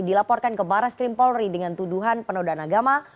dilaporkan ke barat skrim polri dengan tuduhan penodaan agama